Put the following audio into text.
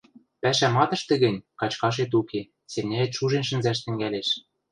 Пӓшӓм ат ӹштӹ гӹнь, качкашет уке, семняэт шужен шӹнзӓш тӹнгӓлеш.